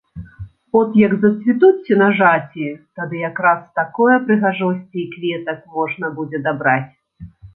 От як зацвітуць сенажаці, тады якраз такое прыгажосці і кветак можна будзе дабраць.